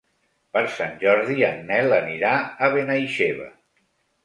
Per Sant Jordi en Nel anirà a Benaixeve.